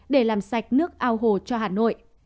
để làm sạch nước ao hồ cho hà nội